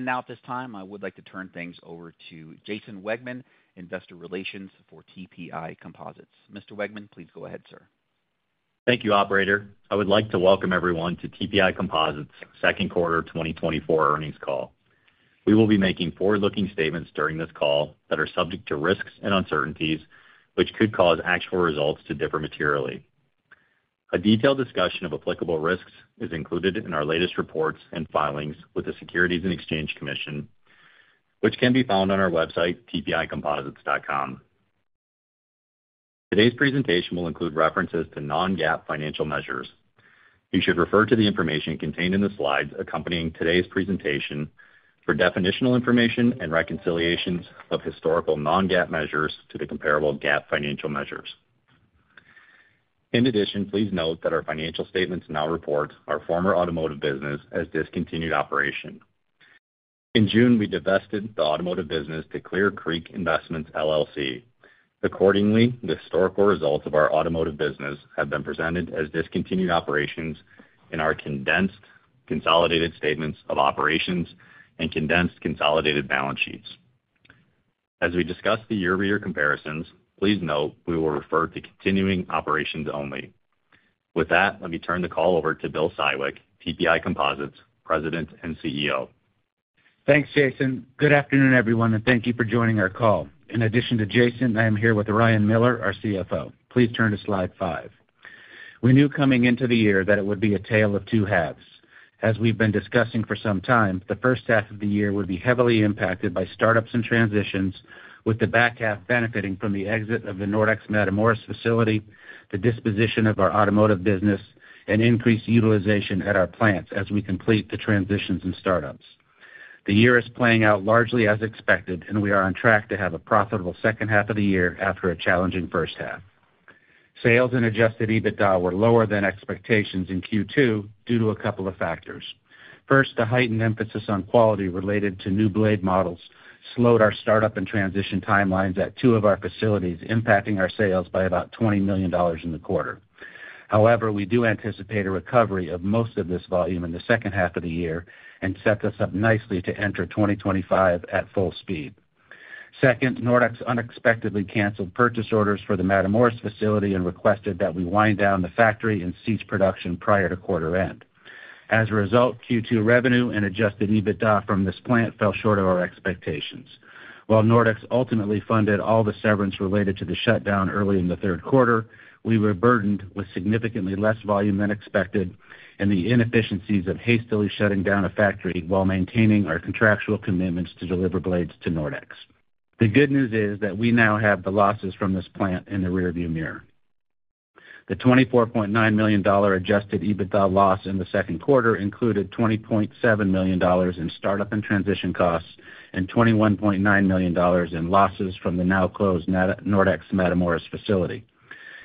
...Now at this time, I would like to turn things over to Jason Wiedmann, Investor Relations for TPI Composites. Mr. Wiedmann, please go ahead, sir. Thank you, operator. I would like to welcome everyone to TPI Composites' Second Quarter 2024 Earnings Call. We will be making forward-looking statements during this call that are subject to risks and uncertainties, which could cause actual results to differ materially. A detailed discussion of applicable risks is included in our latest reports and filings with the Securities and Exchange Commission, which can be found on our website, tpicomposites.com. Today's presentation will include references to non-GAAP financial measures. You should refer to the information contained in the slides accompanying today's presentation for definitional information and reconciliations of historical non-GAAP measures to the comparable GAAP financial measures. In addition, please note that our financial statements now report our former automotive business as discontinued operation. In June, we divested the automotive business to Clear Creek Investments, LLC. Accordingly, the historical results of our automotive business have been presented as discontinued operations in our condensed consolidated statements of operations and condensed consolidated balance sheets. As we discuss the year-over-year comparisons, please note we will refer to continuing operations only. With that, let me turn the call over to Bill Siwek, TPI Composites, President and CEO. Thanks, Jason. Good afternoon, everyone, and thank you for joining our call. In addition to Jason, I am here with Ryan Miller, our CFO. Please turn to Slide 5. We knew coming into the year that it would be a tale of two halves. As we've been discussing for some time, the first half of the year would be heavily impacted by startups and transitions, with the back half benefiting from the exit of the Nordex Matamoros facility, the disposition of our automotive business, and increased utilization at our plants as we complete the transitions and startups. The year is playing out largely as expected, and we are on track to have a profitable second half of the year after a challenging first half. Sales and Adjusted EBITDA were lower than expectations in Q2 due to a couple of factors. First, the heightened emphasis on quality related to new blade models slowed our startup and transition timelines at two of our facilities, impacting our sales by about $20 million in the quarter. However, we do anticipate a recovery of most of this volume in the second half of the year and sets us up nicely to enter 2025 at full speed. Second, Nordex unexpectedly canceled purchase orders for the Matamoros facility and requested that we wind down the factory and cease production prior to quarter end. As a result, Q2 revenue and Adjusted EBITDA from this plant fell short of our expectations. While Nordex ultimately funded all the severance related to the shutdown early in the third quarter, we were burdened with significantly less volume than expected and the inefficiencies of hastily shutting down a factory while maintaining our contractual commitments to deliver blades to Nordex. The good news is that we now have the losses from this plant in the rearview mirror. The $24.9 million Adjusted EBITDA loss in the second quarter included $20.7 million in startup and transition costs and $21.9 million in losses from the now-closed Nordex Matamoros facility.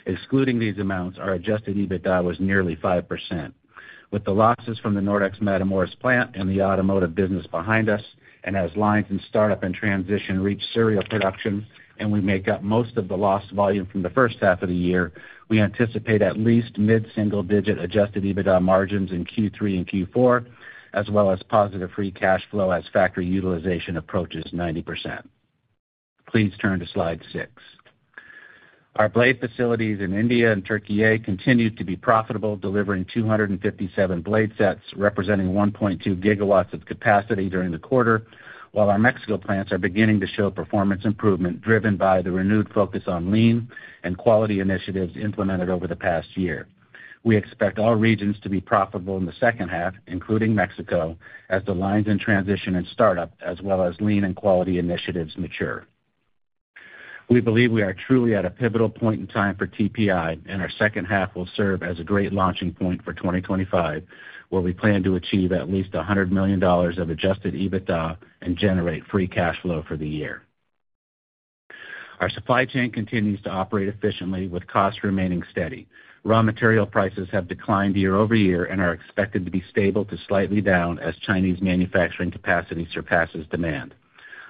Excluding these amounts, our Adjusted EBITDA was nearly 5%. With the losses from the Nordex Matamoros plant and the automotive business behind us, and as lines in startup and transition reach serial production, and we make up most of the lost volume from the first half of the year, we anticipate at least mid-single-digit Adjusted EBITDA margins in Q3 and Q4, as well as positive Free Cash Flow as factory utilization approaches 90%. Please turn to Slide 6. Our blade facilities in India and Türkiye continued to be profitable, delivering 257 blade sets, representing 1.2 GW of capacity during the quarter, while our Mexico plants are beginning to show performance improvement, driven by the renewed focus on lean and quality initiatives implemented over the past year. We expect all regions to be profitable in the second half, including Mexico, as the lines in transition and startup, as well as lean and quality initiatives mature. We believe we are truly at a pivotal point in time for TPI, and our second half will serve as a great launching point for 2025, where we plan to achieve at least $100 million of adjusted EBITDA and generate free cash flow for the year. Our supply chain continues to operate efficiently, with costs remaining steady. Raw material prices have declined year over year and are expected to be stable to slightly down as Chinese manufacturing capacity surpasses demand.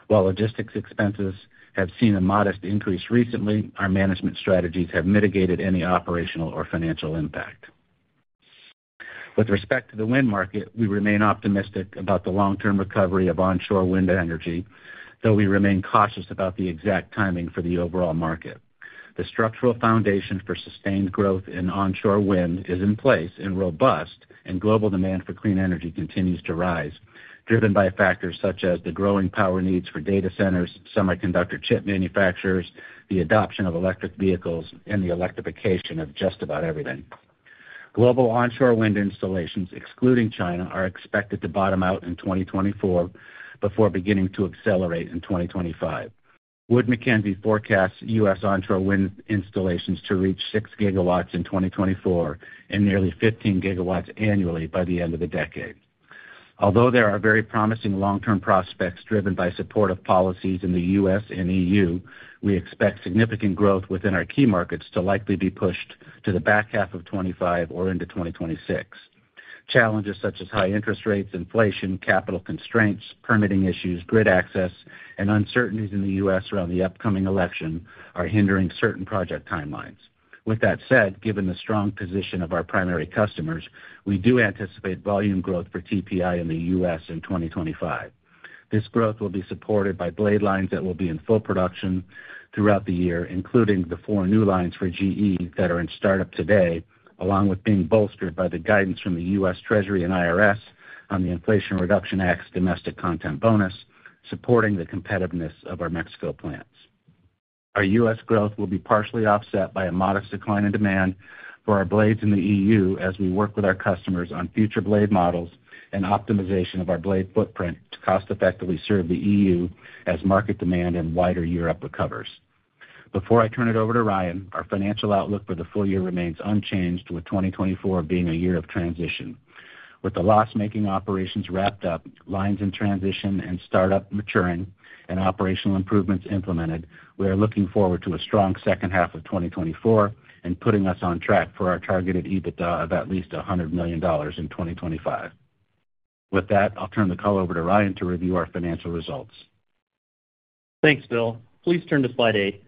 While logistics expenses have seen a modest increase recently, our management strategies have mitigated any operational or financial impact. With respect to the wind market, we remain optimistic about the long-term recovery of onshore wind energy, though we remain cautious about the exact timing for the overall market. The structural foundation for sustained growth in onshore wind is in place and robust, and global demand for clean energy continues to rise, driven by factors such as the growing power needs for data centers, semiconductor chip manufacturers, the adoption of electric vehicles, and the electrification of just about everything. Global onshore wind installations, excluding China, are expected to bottom out in 2024 before beginning to accelerate in 2025. Wood Mackenzie forecasts U.S. onshore wind installations to reach 6 GW in 2024 and nearly 15 GW annually by the end of the decade. Although there are very promising long-term prospects driven by supportive policies in the U.S. and E.U., we expect significant growth within our key markets to likely be pushed to the back half of 2025 or into 2026. Challenges such as high interest rates, inflation, capital constraints, permitting issues, grid access, and uncertainties in the U.S. around the upcoming election are hindering certain project timelines.... With that said, given the strong position of our primary customers, we do anticipate volume growth for TPI in the U.S. in 2025. This growth will be supported by blade lines that will be in full production throughout the year, including the 4 new lines for GE that are in startup today, along with being bolstered by the guidance from the U.S. Treasury and IRS on the Inflation Reduction Act's domestic content bonus, supporting the competitiveness of our Mexico plants. Our U.S. growth will be partially offset by a modest decline in demand for our blades in the E.U. as we work with our customers on future blade models and optimization of our blade footprint to cost-effectively serve the E.U. as market demand in wider Europe recovers. Before I turn it over to Ryan, our financial outlook for the full year remains unchanged, with 2024 being a year of transition. With the loss-making operations wrapped up, lines in transition and startup maturing, and operational improvements implemented, we are looking forward to a strong second half of 2024 and putting us on track for our targeted EBITDA of at least $100 million in 2025. With that, I'll turn the call over to Ryan to review our financial results. Thanks, Bill. Please turn to Slide 8.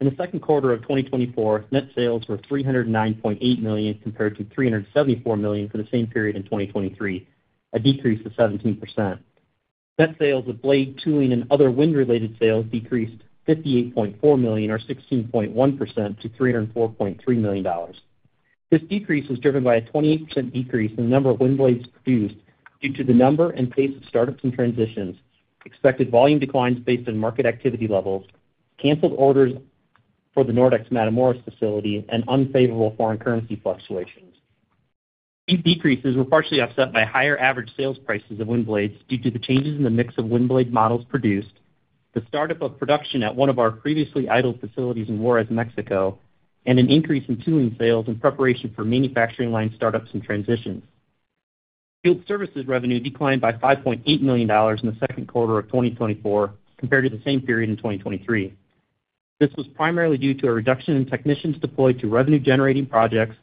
In the second quarter of 2024, net sales were $309.8 million, compared to $374 million for the same period in 2023, a decrease of 17%. Net sales of blade tooling and other wind-related sales decreased $58.4 million, or 16.1%, to $304.3 million. This decrease was driven by a 28% decrease in the number of wind blades produced due to the number and pace of startups and transitions, expected volume declines based on market activity levels, canceled orders for the Nordex Matamoros facility, and unfavorable foreign currency fluctuations. These decreases were partially offset by higher average sales prices of wind blades due to the changes in the mix of wind blade models produced, the startup of production at one of our previously idle facilities in Juarez, Mexico, and an increase in tooling sales in preparation for manufacturing line startups and transitions. Field Services revenue declined by $5.8 million in the second quarter of 2024 compared to the same period in 2023. This was primarily due to a reduction in technicians deployed to revenue-generating projects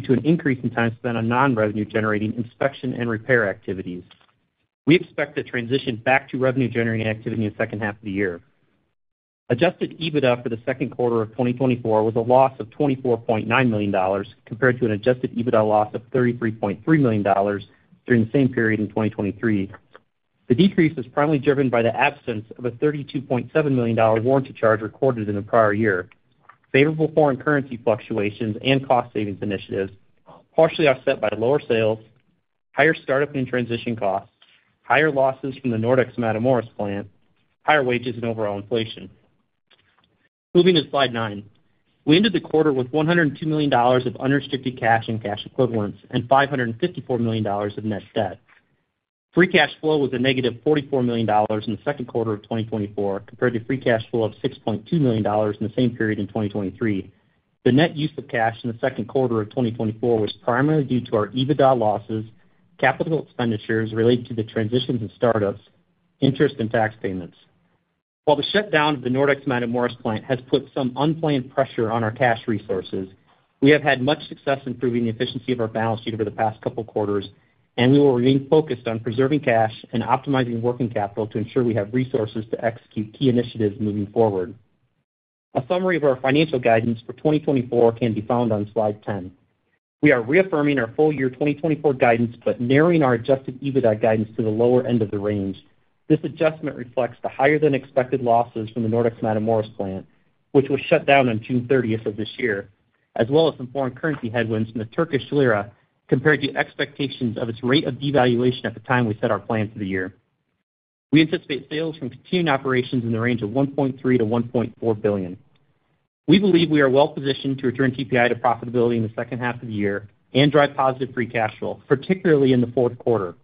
due to an increase in time spent on non-revenue-generating inspection and repair activities. We expect to transition back to revenue-generating activity in the second half of the year. Adjusted EBITDA for the second quarter of 2024 was a loss of $24.9 million, compared to an adjusted EBITDA loss of $33.3 million during the same period in 2023. The decrease was primarily driven by the absence of a $32.7 million warranty charge recorded in the prior year, favorable foreign currency fluctuations and cost savings initiatives, partially offset by lower sales, higher startup and transition costs, higher losses from the Nordex Matamoros plant, higher wages and overall inflation. Moving to Slide 9. We ended the quarter with $102 million of unrestricted cash and cash equivalents and $554 million of net debt. Free cash flow was -$44 million in the second quarter of 2024, compared to free cash flow of $6.2 million in the same period in 2023. The net use of cash in the second quarter of 2024 was primarily due to our EBITDA losses, capital expenditures related to the transitions and startups, interest and tax payments. While the shutdown of the Nordex Matamoros plant has put some unplanned pressure on our cash resources, we have had much success improving the efficiency of our balance sheet over the past couple quarters, and we will remain focused on preserving cash and optimizing working capital to ensure we have resources to execute key initiatives moving forward. A summary of our financial guidance for 2024 can be found on Slide 10. We are reaffirming our full-year 2024 guidance, but narrowing our Adjusted EBITDA guidance to the lower end of the range. This adjustment reflects the higher-than-expected losses from the Nordex Matamoros plant, which was shut down on June thirtieth of this year, as well as some foreign currency headwinds from the Turkish lira compared to expectations of its rate of devaluation at the time we set our plans for the year. We anticipate sales from continuing operations in the range of $1.3 billion-$1.4 billion. We believe we are well positioned to return TPI to profitability in the second half of the year and drive positive free cash flow, particularly in the fourth quarter.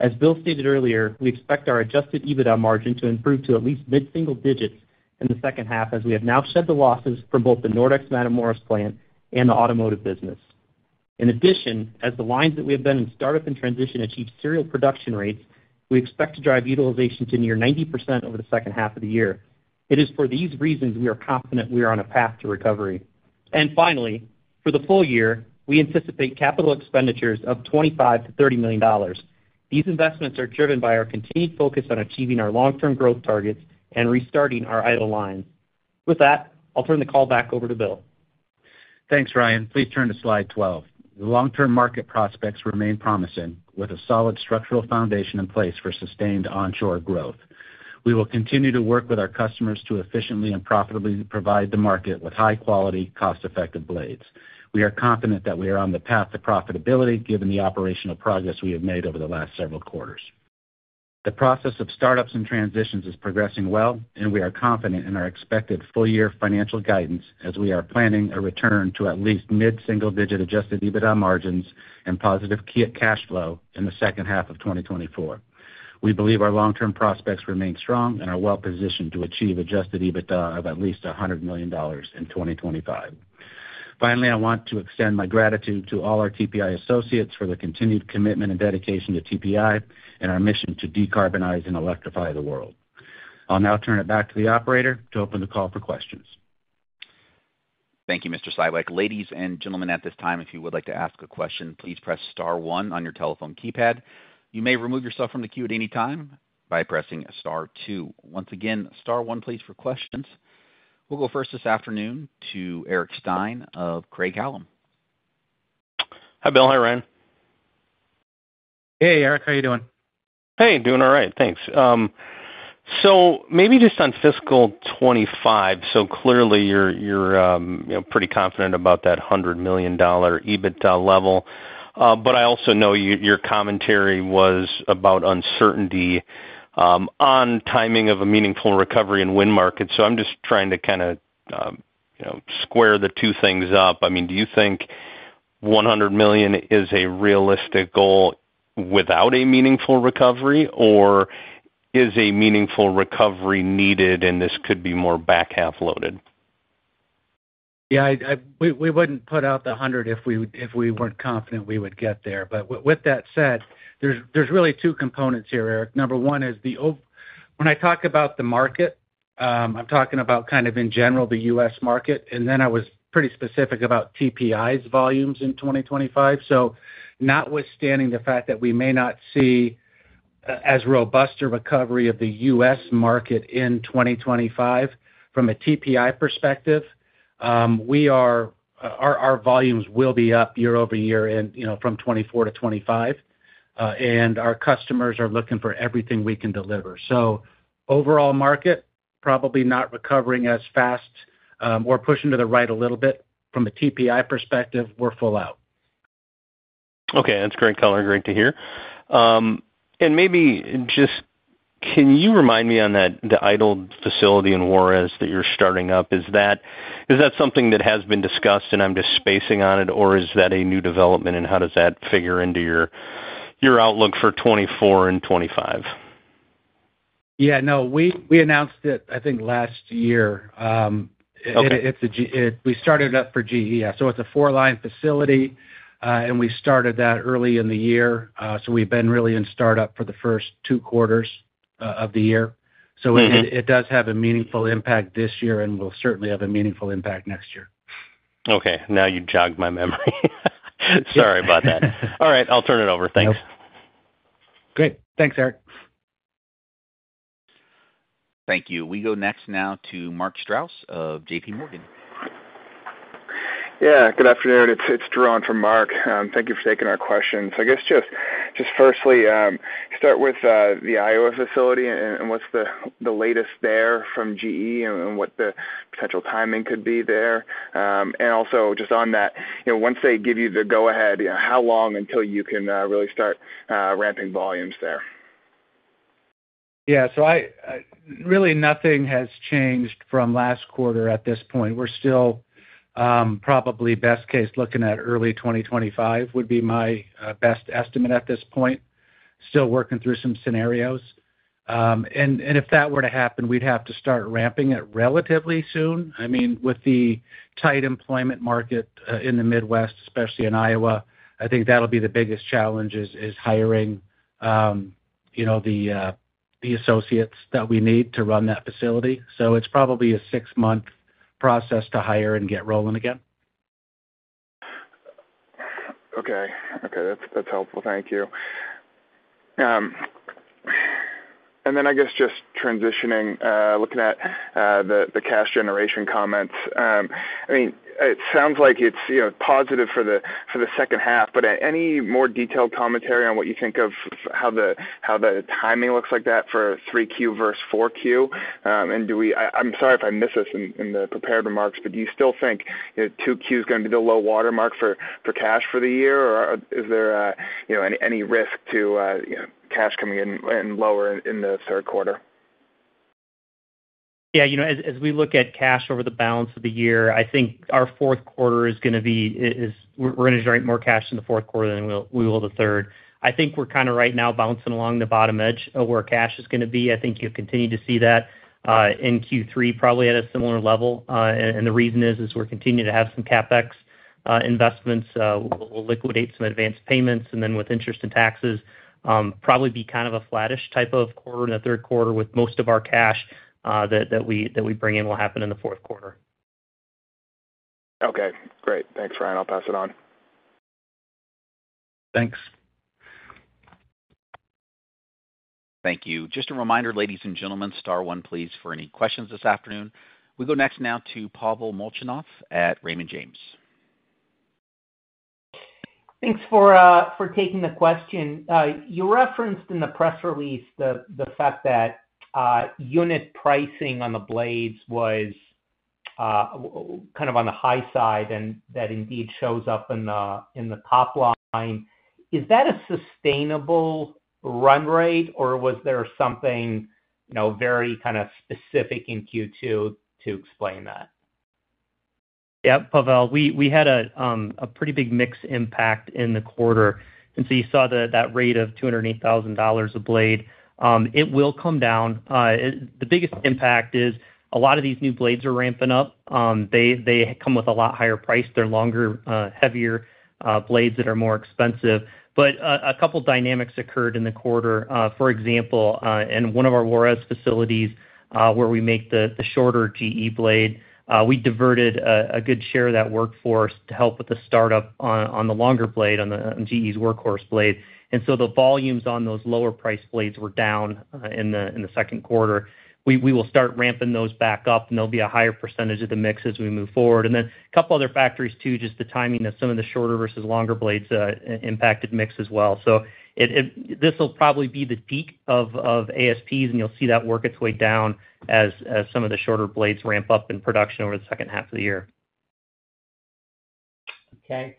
As Bill stated earlier, we expect our adjusted EBITDA margin to improve to at least mid-single digits in the second half, as we have now shed the losses for both the Nordex Matamoros plant and the automotive business. In addition, as the lines that we have been in startup and transition achieve serial production rates, we expect to drive utilization to near 90% over the second half of the year. It is for these reasons we are confident we are on a path to recovery. And finally, for the full year, we anticipate capital expenditures of $25 million-$30 million. These investments are driven by our continued focus on achieving our long-term growth targets and restarting our idle lines. With that, I'll turn the call back over to Bill. Thanks, Ryan. Please turn to Slide 12. The long-term market prospects remain promising, with a solid structural foundation in place for sustained onshore growth. We will continue to work with our customers to efficiently and profitably provide the market with high-quality, cost-effective blades. We are confident that we are on the path to profitability, given the operational progress we have made over the last several quarters. The process of startups and transitions is progressing well, and we are confident in our expected full-year financial guidance as we are planning a return to at least mid-single-digit Adjusted EBITDA margins and positive free cash flow in the second half of 2024. We believe our long-term prospects remain strong and are well positioned to achieve Adjusted EBITDA of at least $100 million in 2025. Finally, I want to extend my gratitude to all our TPI associates for their continued commitment and dedication to TPI and our mission to decarbonize and electrify the world. I'll now turn it back to the operator to open the call for questions. Thank you, Mr. Siwek. Ladies and gentlemen, at this time, if you would like to ask a question, please press star one on your telephone keypad. You may remove yourself from the queue at any time.... by pressing star two. Once again, star one, please, for questions. We'll go first this afternoon to Eric Stine of Craig-Hallum. Hi, Bill. Hi, Ryan. Hey, Eric. How are you doing? Hey, doing all right, thanks. So maybe just on fiscal 2025, so clearly, you're, you're, you know, pretty confident about that $100 million EBITDA level. But I also know your, your commentary was about uncertainty, on timing of a meaningful recovery in wind markets. So I'm just trying to kinda, you know, square the two things up. I mean, do you think $100 million is a realistic goal without a meaningful recovery, or is a meaningful recovery needed, and this could be more back-half loaded? Yeah, I—we wouldn't put out the $100 if we weren't confident we would get there. But with that said, there's really 2 components here, Eric. No.1 is when I talk about the market, I'm talking about kind of in general, the U.S. market, and then I was pretty specific about TPI's volumes in 2025. So notwithstanding the fact that we may not see as robust a recovery of the U.S. market in 2025 from a TPI perspective, our volumes will be up year-over-year, you know, from 2024-2025, and our customers are looking for everything we can deliver. So overall market, probably not recovering as fast, or pushing to the right a little bit. From a TPI perspective, we're full out. Okay, that's great color, great to hear. And maybe just can you remind me on that, the idled facility in Juarez that you're starting up? Is that, is that something that has been discussed and I'm just spacing on it, or is that a new development, and how does that figure into your, your outlook for 2024 and 2025? Yeah, no, we announced it, I think, last year. Okay. It's a GE. We started it up for GE. Yeah, so it's a four-line facility, and we started that early in the year. So we've been really in startup for the first two quarters of the year. Mm-hmm. So it does have a meaningful impact this year, and will certainly have a meaningful impact next year. Okay, now you've jogged my memory. Sorry about that. All right, I'll turn it over. Thanks. Yep. Great. Thanks, Eric. Thank you. We go next now to Mark Strouse of J.P. Morgan. Yeah, good afternoon. It's Teron for Mark. Thank you for taking our questions. I guess just firstly, start with the Iowa facility and what's the latest there from GE and what the potential timing could be there. And also just on that, you know, once they give you the go-ahead, how long until you can really start ramping volumes there? Yeah, so really nothing has changed from last quarter at this point. We're still, probably best case, looking at early 2025, would be my best estimate at this point. Still working through some scenarios. If that were to happen, we'd have to start ramping it relatively soon. I mean, with the tight employment market, in the Midwest, especially in Iowa, I think that'll be the biggest challenge is hiring, you know, the associates that we need to run that facility. So it's probably a 6-month process to hire and get rolling again. Okay, okay, that's, that's helpful. Thank you. And then I guess just transitioning, looking at the cash generation comments. I mean, it sounds like it's, you know, positive for the second half, but any more detailed commentary on what you think of how the timing looks like that for 3Q versus 4Q? And I'm sorry if I missed this in the prepared remarks, but do you still think, you know, 2Q is going to be the low water mark for cash for the year? Or is there, you know, any risk to cash coming in lower in the third quarter? Yeah, you know, as we look at cash over the balance of the year, I think our fourth quarter is gonna be - we're gonna generate more cash in the fourth quarter than we will the third. I think we're kind of right now bouncing along the bottom edge of where cash is gonna be. I think you'll continue to see that in Q3, probably at a similar level. And the reason is we're continuing to have some CapEx investments. We'll liquidate some advanced payments, and then with interest and taxes, probably be kind of a flattish type of quarter in the third quarter, with most of our cash that we bring in will happen in the fourth quarter. Okay, great. Thanks, Ryan. I'll pass it on. Thanks. Thank you. Just a reminder, ladies and gentlemen, star one, please, for any questions this afternoon. We go next now to Pavel Molchanov at Raymond James. Thanks for taking the question. You referenced in the press release the fact that unit pricing on the blades was kind of on the high side, and that indeed shows up in the top line. Is that a sustainable run rate, or was there something, you know, very kind of specific in Q2 to explain that? Yeah, Pavel, we had a pretty big mix impact in the quarter. And so you saw that rate of $280,000 a blade; it will come down. The biggest impact is a lot of these new blades are ramping up. They come with a lot higher price. They're longer, heavier blades that are more expensive. But a couple dynamics occurred in the quarter. For example, in one of our Juarez facilities, where we make the shorter GE blade, we diverted a good share of that workforce to help with the startup on the longer blade, on GE's workhorse blade. And so the volumes on those lower-priced blades were down in the second quarter. We will start ramping those back up, and they'll be a higher percentage of the mix as we move forward. And then a couple other factors, too, just the timing of some of the shorter versus longer blades impacted mix as well. So it – this will probably be the peak of ASPs, and you'll see that work its way down as some of the shorter blades ramp up in production over the second half of the year.... Okay.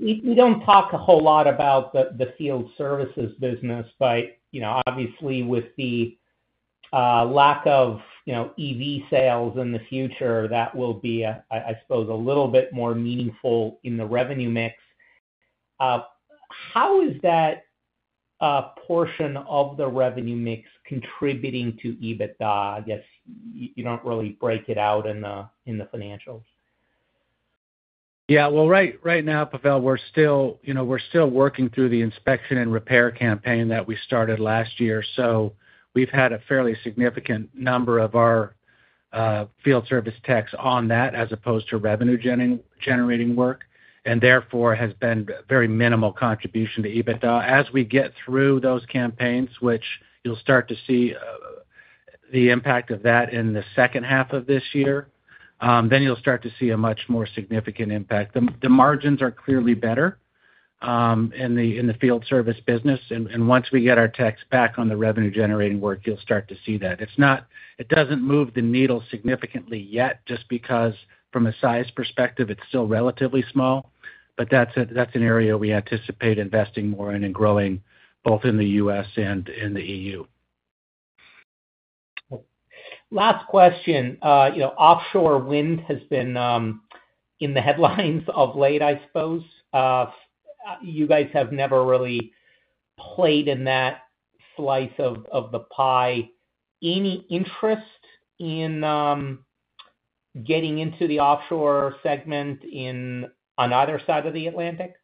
We don't talk a whole lot about the Field Services business, but you know, obviously, with the lack of you know, EV sales in the future, that will be a, I suppose, a little bit more meaningful in the revenue mix. How is that portion of the revenue mix contributing to EBITDA? I guess you don't really break it out in the financials. Yeah. Well, right, right now, Pavel, we're still, you know, we're still working through the inspection and repair campaign that we started last year. So we've had a fairly significant number of our field service techs on that as opposed to revenue-generating work, and therefore has been very minimal contribution to EBITDA. As we get through those campaigns, which you'll start to see the impact of that in the second half of this year, then you'll start to see a much more significant impact. The margins are clearly better in the field service business. And once we get our techs back on the revenue-generating work, you'll start to see that. It's not. It doesn't move the needle significantly yet, just because from a size perspective, it's still relatively small. But that's an area we anticipate investing more in and growing, both in the US and in the EU. Last question. You know, offshore wind has been in the headlines of late, I suppose. You guys have never really played in that slice of the pie. Any interest in getting into the offshore segment in, on either side of the Atlantic?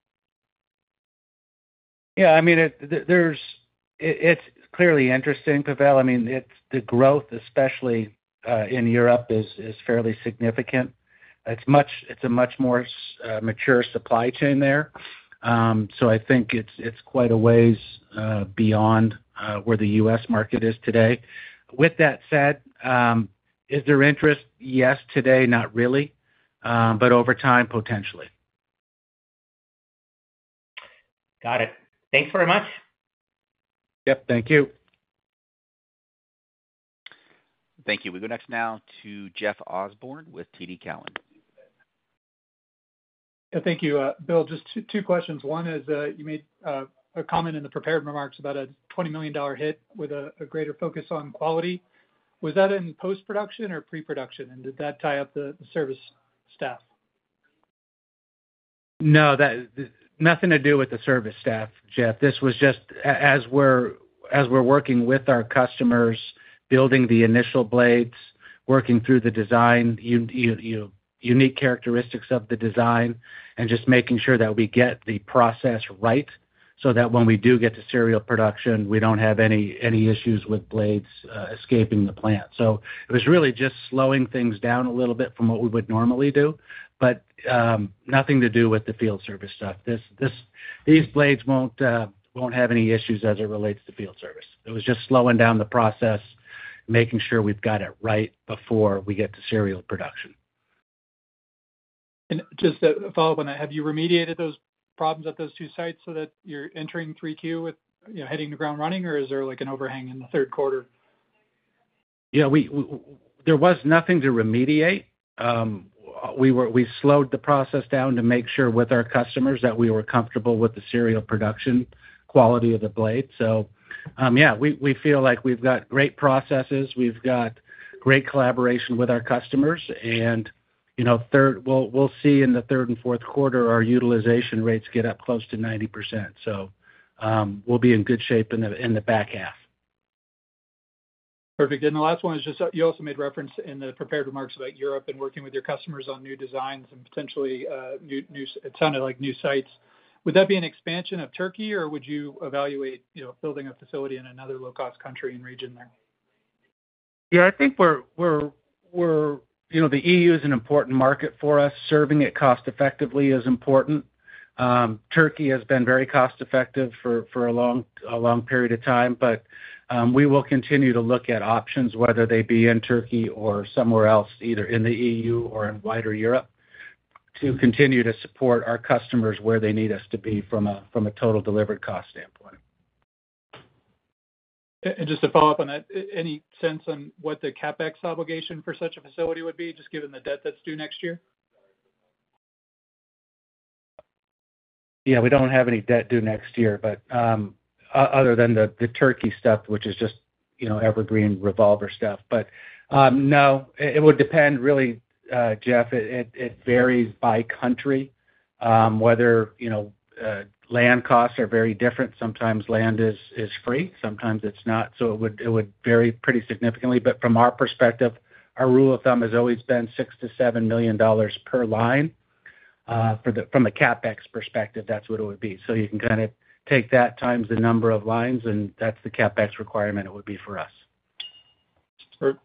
Yeah, I mean, it's clearly interesting, Pavel. I mean, it's the growth especially in Europe is fairly significant. It's much, it's a much more mature supply chain there. So I think it's quite a ways beyond where the US market is today. With that said, is there interest? Yes. Today, not really, but over time, potentially. Got it. Thanks very much. Yep, thank you. Thank you. We go next now to Jeff Osborne with TD Cowen. Yeah, thank you, Bill. Just two, two questions. One is, you made a comment in the prepared remarks about a $20 million hit with a greater focus on quality. Was that in post-production or pre-production, and did that tie up the service staff? No, nothing to do with the service staff, Jeff. This was just as we're working with our customers, building the initial blades, working through the design, unique characteristics of the design, and just making sure that we get the process right, so that when we do get to serial production, we don't have any issues with blades escaping the plant. So it was really just slowing things down a little bit from what we would normally do, but nothing to do with the field service stuff. These blades won't have any issues as it relates to field service. It was just slowing down the process, making sure we've got it right before we get to serial production. Just a follow-up on that, have you remediated those problems at those two sites so that you're entering 3Q with, you know, hitting the ground running, or is there like an overhang in the third quarter? Yeah, we there was nothing to remediate. We slowed the process down to make sure with our customers that we were comfortable with the serial production quality of the blade. So, yeah, we, we feel like we've got great processes, we've got great collaboration with our customers, and you know, third, we'll, we'll see in the third and fourth quarter, our utilization rates get up close to 90%. So, we'll be in good shape in the back half. Perfect. And the last one is just, you also made reference in the prepared remarks about Europe and working with your customers on new designs and potentially, new, a ton of like new sites. Would that be an expansion of Turkey, or would you evaluate, you know, building a facility in another low-cost country and region there? Yeah, I think we're. You know, the EU is an important market for us. Serving it cost effectively is important. Turkey has been very cost effective for a long period of time, but we will continue to look at options, whether they be in Turkey or somewhere else, either in the EU or in wider Europe, to continue to support our customers where they need us to be from a total delivered cost standpoint. Just to follow up on that, any sense on what the CapEx obligation for such a facility would be, just given the debt that's due next year? Yeah, we don't have any debt due next year, but other than the Turkey stuff, which is just, you know, evergreen revolver stuff. But no, it would depend really, Jeff. It varies by country, whether, you know, land costs are very different. Sometimes land is free, sometimes it's not. So it would vary pretty significantly. But from our perspective, our rule of thumb has always been $6 million-$7 million per line, for the—from a CapEx perspective, that's what it would be. So you can kind of take that times the number of lines, and that's the CapEx requirement it would be for us. Per-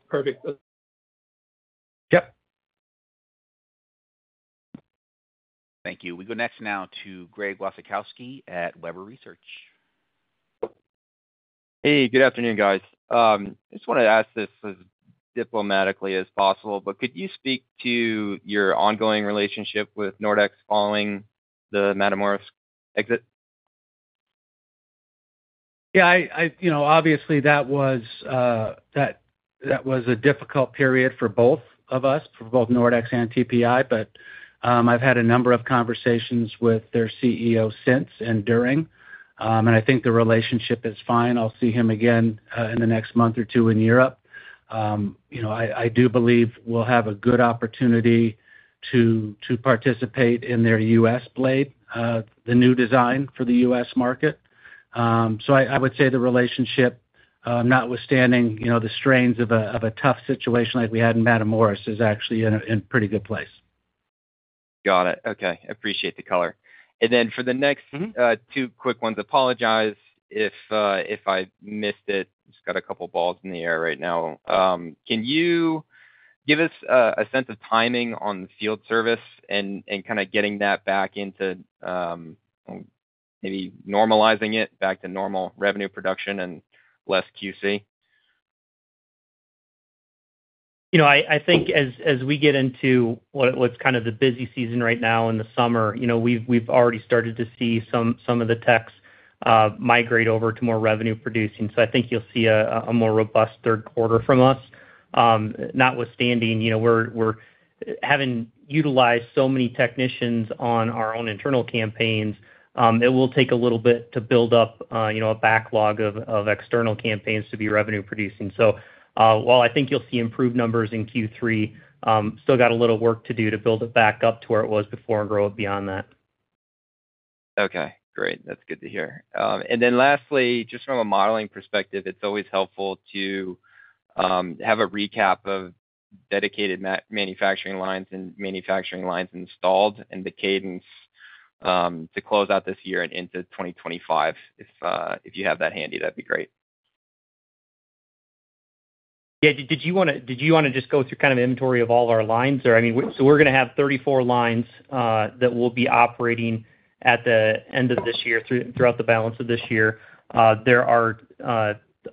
perfect. Yep. Thank you. We go next now to Greg Wasikowski at Webber Research. Hey, good afternoon, guys. Just wanna ask this as diplomatically as possible, but could you speak to your ongoing relationship with Nordex following the Matamoros exit?... Yeah, you know, obviously, that was a difficult period for both of us, for both Nordex and TPI. But, I've had a number of conversations with their CEO since and during, and I think the relationship is fine. I'll see him again, in the next month or two in Europe. You know, I do believe we'll have a good opportunity to participate in their U.S. blade, the new design for the U.S. market. So I would say the relationship, notwithstanding, you know, the strains of a tough situation like we had in Matamoros, is actually in a pretty good place. Got it. Okay, appreciate the color. And then for the next- Mm-hmm. Two quick ones. Apologize if I missed it. Just got a couple balls in the air right now. Can you give us a sense of timing on field service and kind of getting that back into maybe normalizing it back to normal revenue production and less QC? You know, I think as we get into what's kind of the busy season right now in the summer, you know, we've already started to see some of the techs migrate over to more revenue producing. So I think you'll see a more robust third quarter from us. Notwithstanding, you know, we're having utilized so many technicians on our own internal campaigns, it will take a little bit to build up, you know, a backlog of external campaigns to be revenue producing. So while I think you'll see improved numbers in Q3, still got a little work to do to build it back up to where it was before and grow it beyond that. Okay, great. That's good to hear. And then lastly, just from a modeling perspective, it's always helpful to have a recap of dedicated manufacturing lines and manufacturing lines installed and the cadence to close out this year and into 2025. If you have that handy, that'd be great. Yeah. Did you wanna just go through kind of inventory of all our lines? Or, I mean, so we're gonna have 34 lines that will be operating at the end of this year, throughout the balance of this year. There are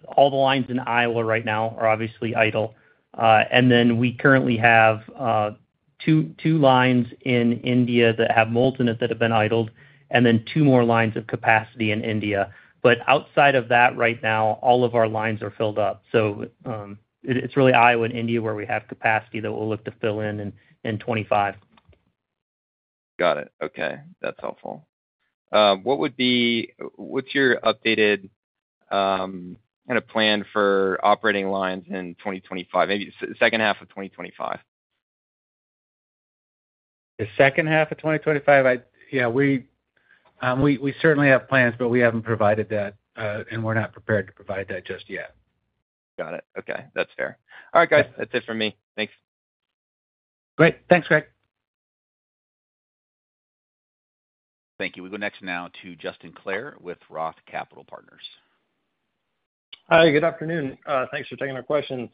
all the lines in Iowa right now are obviously idle. And then we currently have 2 2 lines in India that have molds in it that have been idled, and then 2 more lines of capacity in India. But outside of that, right now, all of our lines are filled up. So, it's really Iowa and India where we have capacity that we'll look to fill in 2025. Got it. Okay, that's helpful. What would be... What's your updated, kind of plan for operating lines in 2025? Maybe second half of 2025. The second half of 2025? Yeah, we, we, we certainly have plans, but we haven't provided that, and we're not prepared to provide that just yet. Got it. Okay, that's fair. All right, guys, that's it for me. Thanks. Great. Thanks, Greg. Thank you. We go next now to Justin Clare with Roth Capital Partners. Hi, good afternoon. Thanks for taking our questions.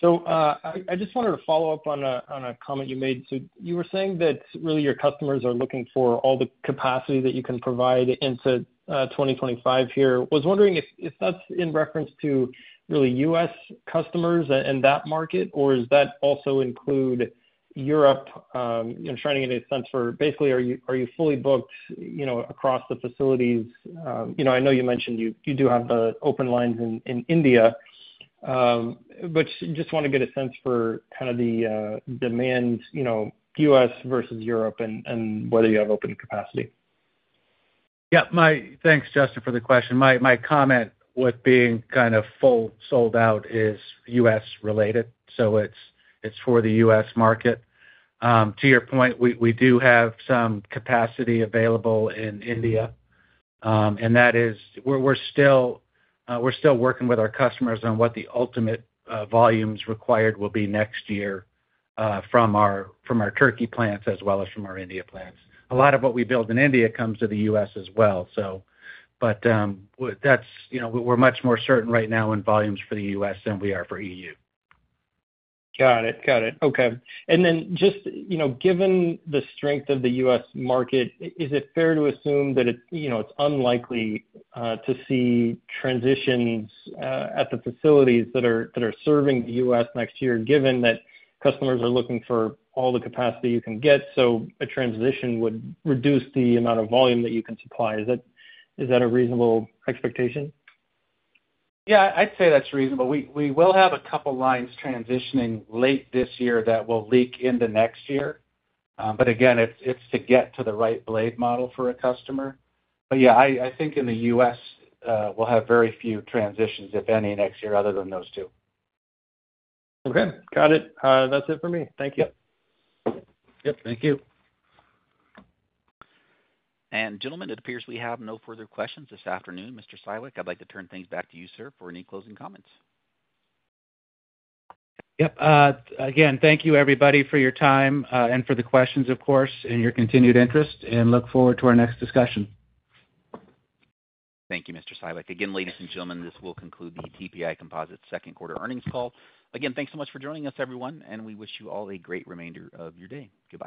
So, I just wanted to follow up on a comment you made. So you were saying that really your customers are looking for all the capacity that you can provide into 2025 here. Was wondering if that's in reference to really U.S. customers in that market, or does that also include Europe? And trying to get a sense for basically, are you fully booked, you know, across the facilities? You know, I know you mentioned you do have the open lines in India, but just wanna get a sense for kind of the demand, you know, U.S. versus Europe and whether you have open capacity. Yeah. Thanks, Justin, for the question. My comment with being kind of full sold out is US related, so it's for the US market. To your point, we do have some capacity available in India, and that is... We're still working with our customers on what the ultimate volumes required will be next year, from our Turkey plants, as well as from our India plants. A lot of what we build in India comes to the US as well, so, but, that's, you know, we're much more certain right now in volumes for the US than we are for EU. Got it. Got it. Okay. And then just, you know, given the strength of the U.S. market, is it fair to assume that it, you know, it's unlikely to see transitions at the facilities that are serving the U.S. next year, given that customers are looking for all the capacity you can get, so a transition would reduce the amount of volume that you can supply? Is that a reasonable expectation? Yeah, I'd say that's reasonable. We will have a couple lines transitioning late this year that will leak into next year. But again, it's to get to the right blade model for a customer. But yeah, I think in the US, we'll have very few transitions, if any, next year, other than those two. Okay, got it. That's it for me. Thank you. Yep. Thank you. Gentlemen, it appears we have no further questions this afternoon. Mr. Siwek, I'd like to turn things back to you, sir, for any closing comments. Yep. Again, thank you, everybody, for your time, and for the questions, of course, and your continued interest, and look forward to our next discussion. Thank you, Mr. Siwek. Again, ladies and gentlemen, this will conclude the TPI Composites second quarter earnings call. Again, thanks so much for joining us, everyone, and we wish you all a great remainder of your day. Goodbye.